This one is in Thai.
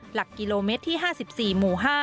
หลักกิโลเมตรที่๕๔หมู่๕